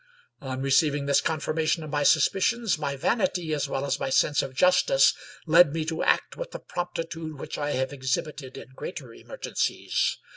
On receiving this confirmation of my suspicions, my vanity as well as my sense of justice led me to act with the promptitude which I have exhibited in greater emer gencies.